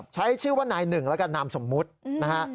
ใช้ชื่อว่านายหนึ่งแล้วกันนามสมมุตินะฮะ